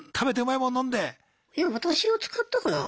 いや私は使ったかなあ？